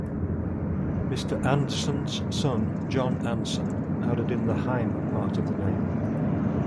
Mr Andson's son, John Andson added in the 'heim' part of the name.